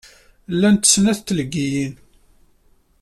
Llant snat tleggiyin.